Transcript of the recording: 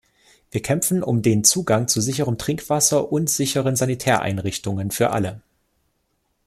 Wir kämpfen um den Zugang zu sicherem Trinkwasser und sicheren Sanitäreinrichtungen für alle.